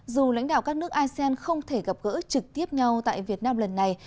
dù lãnh đạo các nước asean không thể gặp gỡ trực tiếp nhau tại việt nam lần này